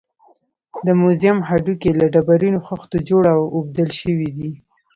د موزیم هډوکي له ډبرینو خښتو جوړ او اوبدل شوي دي.